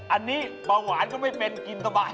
อันนี้เบาหวานก็ไม่เป็นกินสบาย